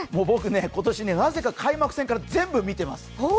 僕今年、なぜか開幕戦から全部見てます。